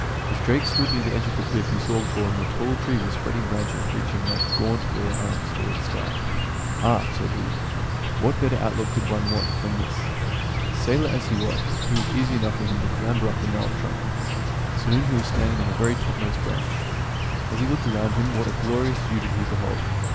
As Drake stood near the edge of the cliff he saw before him a tall tree with spreading branches reaching like gaunt, bare arms toward the sky. " Ah !" said he, " what better outlook could one want than this ?" Sailor as he was, it was easy enough for him to clamber up the gnarled trunk. Soon he was stand ing on the very topmost branch. As he looked "UPON A PEAK IN DARIEN" 19 around him, what a glorious view did he behold